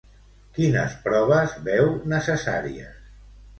Quines proves veu necessàries?